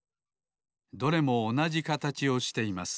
どれもおなじかたちをしています。